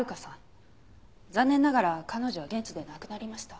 残念ながら彼女は現地で亡くなりました。